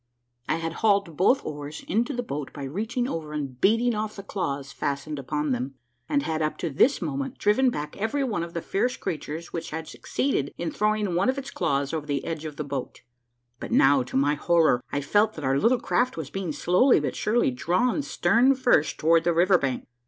I had hauled both oars into the boat by reaching over and beating off the claws fastened upon them, and had up to this moment driven back every one of the fierce creatures which had succeeded in throwing one of his claws over the edge of the boat ; but now, to my horror, I felt that our little craft was being slowly but surely drawn stern first toward the river bank.